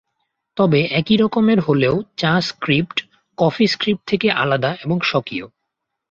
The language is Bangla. তবে একই রকমের হলেও চা স্ক্রিপ্ট, কফি স্ক্রিপ্ট থেকে আলাদা এবং স্বকীয়।